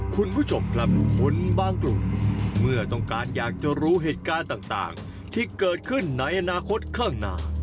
คุณผู้ชมครับคนบางกลุ่มเมื่อต้องการอยากจะรู้เหตุการณ์ต่างที่เกิดขึ้นในอนาคตข้างหน้า